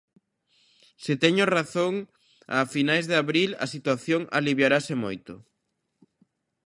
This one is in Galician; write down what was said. Se teño razón a finais de abril a situación aliviarase moito.